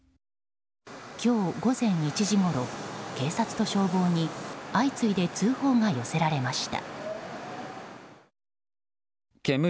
今日午前１時ごろ、警察と消防に相次いで通報が寄せられました。